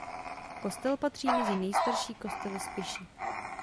Kostel patří mezi nejstarší kostely Spiše.